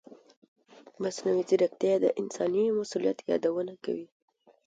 مصنوعي ځیرکتیا د انساني مسؤلیت یادونه کوي.